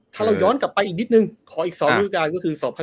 ถ้าเราย้อนกลับไปอีกนิดนึงขออีก๒ฤดูการก็คือ๒๐๑๖